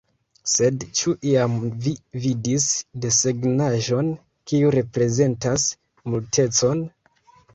« Sed, ĉu iam vi vidis desegnaĵon kiu reprezentas Multecon?"